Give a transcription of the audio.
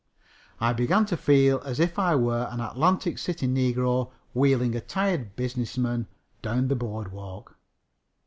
I began to feel as if I were an Atlantic City negro wheeling a tired business man down the Boardwalk.